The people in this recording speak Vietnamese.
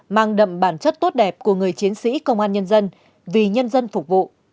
mang đậm bản chất tốt đẹp của người chiến sĩ công an nhân dân vì nhân dân phục vụ